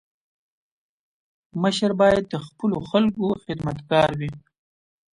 مشر باید د خپلو خلکو خدمتګار وي.